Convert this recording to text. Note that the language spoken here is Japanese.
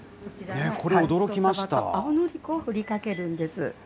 青のり粉を振りかけるんです。